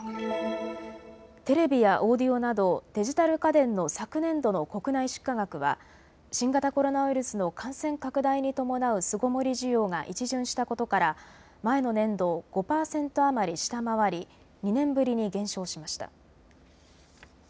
テレビやオーディオなどデジタル家電の昨年度の国内出荷額は新型コロナウイルスの感染拡大に伴う巣ごもり需要が一巡したことから前の年度を５％余り下回り２年ぶりに減少しました。